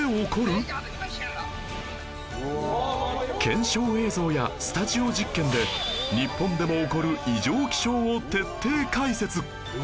検証映像やスタジオ実験で日本でも起こる異常気象を徹底解説